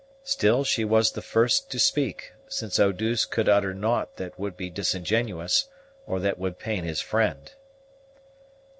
Still she was the first to speak; since Eau douce could utter naught that would be disingenuous, or that would pain his friend.